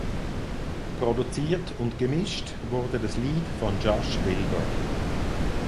Produziert und gemischt wurde das Lied von Josh Wilbur.